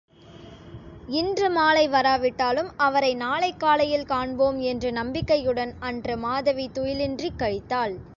இன்று மாலை வராவிட்டாலும் அவரை நாளைக் காலையில் காண்போம் என்று நம்பிக்கையுடன் அன்று மாதவி துயிலின்றிக் கழித்தாள்.